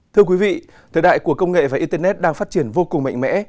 thưa quý vị thời đại của công nghệ và internet đang phát triển vô cùng mạnh mẽ